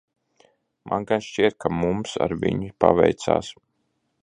Man gan šķiet, ka mums ar viņu paveicās.